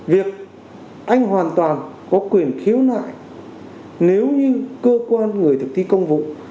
việc anh hoàn toàn có quyền khiếu nại nếu như cơ quan người thực thi công vụ